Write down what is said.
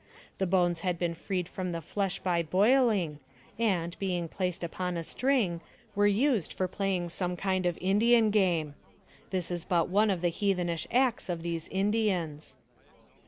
The bones had been freed from the flesh by boiling, and, being placed upon a string, were used for playing some kind of Indian game. This is but one of the heathenish acts of these Indians.